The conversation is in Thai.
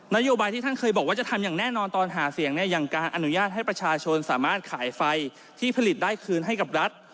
นโยบายที่ท่านเคยบอกว่าจะทำอย่างแน่นอนตอนหาเสียงเนี่ยอย่างการอนุญาตให้ประชาชนสามารถขายไฟที่ผลิตได้คืนให้กับรัฐ